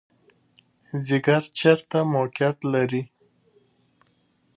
ځیګر چیرته موقعیت لري؟